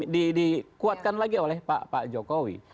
dikuatkan lagi oleh pak jokowi